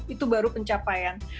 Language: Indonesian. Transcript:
itu baru pencapaian